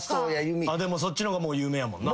でもそっちの方がもう有名やもんな。